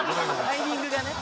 タイミングがね。